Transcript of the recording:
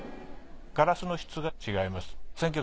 ガラスの質が違います。